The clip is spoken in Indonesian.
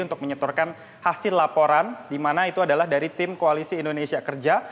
untuk menyetorkan hasil laporan di mana itu adalah dari tim koalisi indonesia kerja